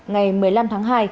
ngày một mươi năm tháng hai